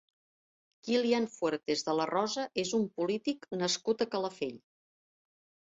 Kilian Fuertes de la Rosa és un polític nascut a Calafell.